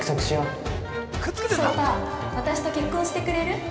◆颯太、私と結婚してくれる？